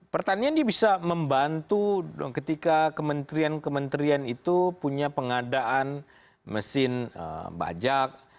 pertanian dia bisa membantu ketika kementerian kementerian itu punya pengadaan mesin bajak